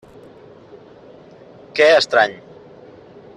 Que estrany.